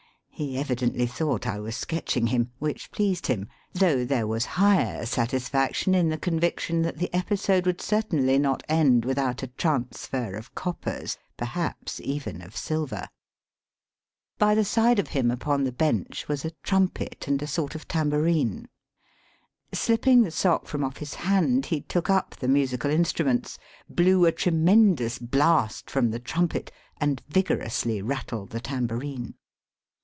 He evidently thought I was sketching him, which pleased him, though there was higher satisfaction in the conviction that the episode would certainly not end without a transfer of coppers, perhaps even of silver. By the side of him upon the Digitized by VjOOQIC THE HOLY CITY. 211 bench, was a trumpet and a sort of tambourine. Slipping the sock from off his hand, he took up the musical instruments, blew a tremendous blast from the trumpet, and vigorously rattled the tambourine.